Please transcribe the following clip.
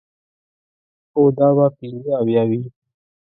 هو، دا به پنځه اویا وي.